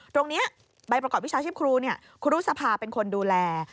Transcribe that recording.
ตรงนี้ใบประกอบวิชาชีพครูครูรุษภาเป็นคนดูแล